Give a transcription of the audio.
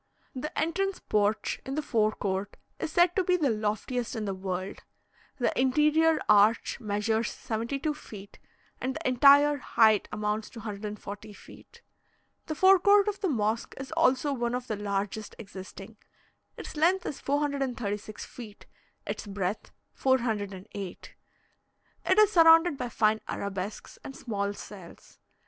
The entrance porch in the fore court is said to be the loftiest in the world. The interior arch measures 72 feet, and the entire height amounts to 140 feet. The fore court of the mosque is also one of the largest existing; its length is 436 feet, its breadth 408; it is surrounded by fine arabesques and small cells.